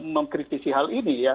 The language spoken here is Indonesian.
mengkritisi hal ini ya